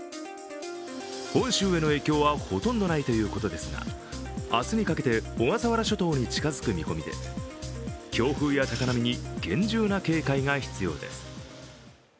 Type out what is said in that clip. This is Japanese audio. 本州への影響はほとんどないということですが明日にかけて小笠原諸島に近付く見込みで強風や高波に厳重な警戒が必要です。